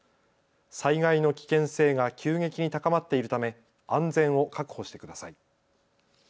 災害の危険性が急激に高まっているため安全を確保してください。